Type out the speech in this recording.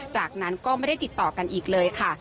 จากนั้นก็ไม่ได้ติดต่อกันอีกเลยค่ะ